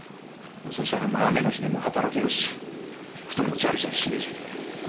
そしたらお前雨の日でも働けるし布団もジャリジャリしねえじゃねえかよ。